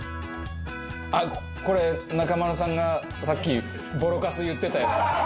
あっこれ中丸さんがさっきボロカス言ってたやつだ。